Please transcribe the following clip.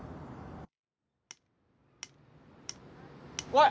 おい！